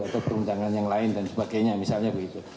atau perundangan yang lain dan sebagainya misalnya begitu